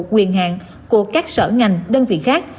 quyền hạn của các sở ngành đơn vị khác